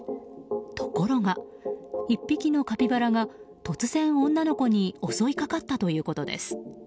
ところが１匹のカピバラが突然、女の子に襲いかかったということです。